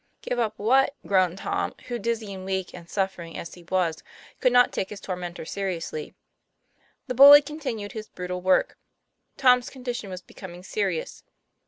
'Give up what?" groaned Tom, who, dizzy and weak and suffering as he was, could not take his tormentor seriously. The bully continued his brutal work. Tom's con dition was becoming serious.